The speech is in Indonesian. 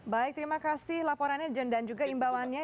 baik terima kasih laporannya dan juga imbauannya